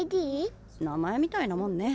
名前みたいなもんね。